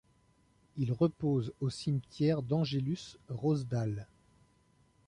Il repose au cimetière d'Angelus-Rosedale.